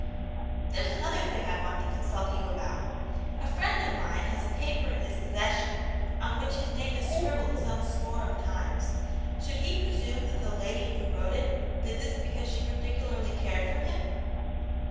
"There's another thing I want to consult you about. A friend of mine has a paper in his posses sion on which 'his name is scribbled some score of times. Should he presume that the lady who wrote it did this because she particularly cared for him